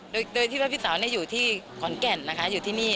โดยที่ว่าพี่สาวอยู่ที่ขอนแก่นนะคะอยู่ที่นี่